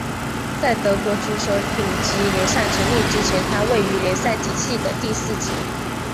在德国足球丙级联赛成立之前它位于联赛体系的第四级。